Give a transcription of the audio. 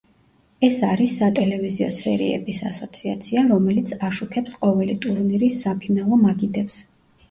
ეს არის სატელევიზიო სერიების ასოციაცია, რომელიც აშუქებს ყოველი ტურნირის საფინალო მაგიდებს.